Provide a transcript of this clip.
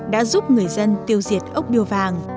đã giúp người dân tiêu diệt ốc điều vàng